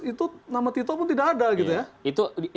itu nama tito pun tidak ada gitu ya